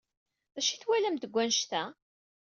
D acu ay twalamt deg wanect-a?